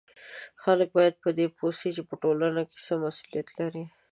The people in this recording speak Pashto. خلک باید په دې پوه سي چې په ټولنه کې څه مسولیت لري